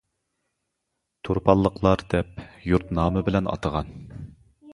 تۇرپانلىقلار دەپ يۇرت نامى بىلەن ئاتىغان.